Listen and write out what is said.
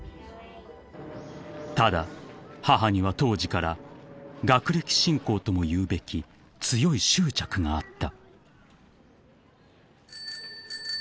［ただ母には当時から学歴信仰ともいうべき強い執着があった］